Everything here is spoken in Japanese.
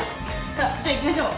じゃあ行きましょう。